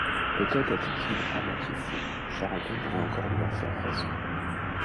Peut-être était-il à moitié fou, Charenton pouvait encore lui en faire raison.